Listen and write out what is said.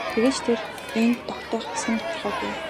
Тэгээд ч тэр энд тогтох эсэх нь тодорхойгүй.